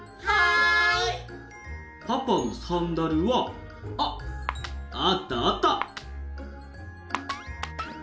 パパのサンダルはあっあったあった！